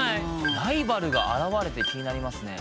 「ライバルが現れて」気になりますね。